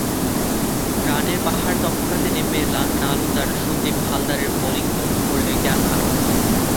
রানের পাহাড় টপকাতে নেমে নালন্দার সন্দ্বীপ হালদারের বোলিং তোপে পড়ে জ্ঞান ভারতী।